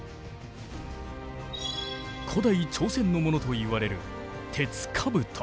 古代朝鮮のものといわれる鉄冑。